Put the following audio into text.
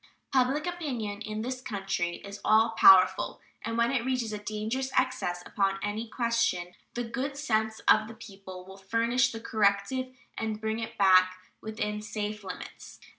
Public opinion in this country is all powerful, and when it reaches a dangerous excess upon any question the good sense of the people will furnish the corrective and bring it back within safe limits.